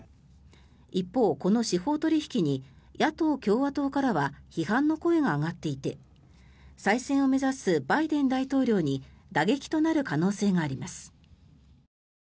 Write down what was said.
一方、この司法取引に野党・共和党からは批判の声が上がっていて再選を目指すバイデン大統領に打撃となる可能性があります。